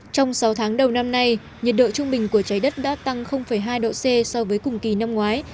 trong sáu tháng đầu năm nay nhiệt độ trung bình của trái đất đã tăng hai độ c so với cùng kỳ năm ngoái